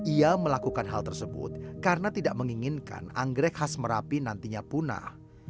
ia melakukan hal tersebut karena tidak menginginkan anggrek khas merapi nantinya punah